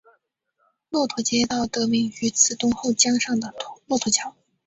骆驼街道得名于慈东后江上的骆驼桥。